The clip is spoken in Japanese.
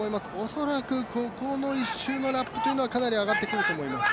恐らく、ここの１周のラップはかなり上がってくると思います。